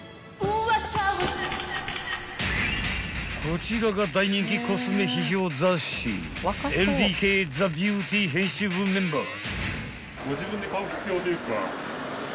［こちらが大人気コスメ批評雑誌『ＬＤＫｔｈｅＢｅａｕｔｙ』編集部メンバー］